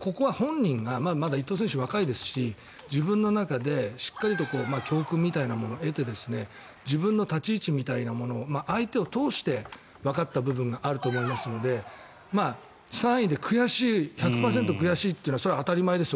ここは本人がまだ伊藤選手は若いですし自分の中でしっかりと教訓みたいなものを得て自分の立ち位置みたいなものを相手を通してわかった部分があると思いますので３位で悔しい１００％悔しいというのはそれは当たり前ですよ